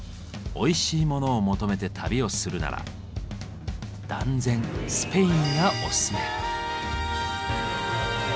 おいしいモノを求めて旅をするなら断然スペインがオススメ。